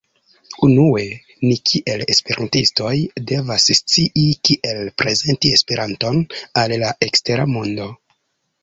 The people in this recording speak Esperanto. Unue, ni kiel Esperantistoj, devas scii kiel prezenti Esperanton al la ekstera mondo